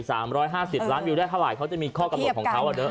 สามร้อยห้าสิบล้านวิวได้เท่าไหร่เขาจะมีข้อกำหนดของเขาอ่ะเด้อ